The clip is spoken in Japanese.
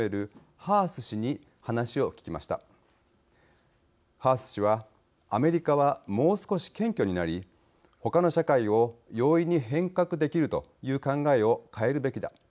ハース氏は「アメリカはもう少し謙虚になりほかの社会を容易に変革できるという考えを変えるべきだ。